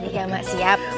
iya mak siap